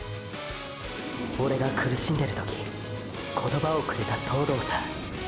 オレが苦しんでる時言葉をくれた東堂さん。